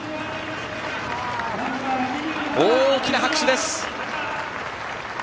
大きな拍手です。